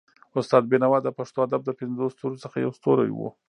استاد بينوا د پښتو ادب د پنځو ستورو څخه يو ستوری وو.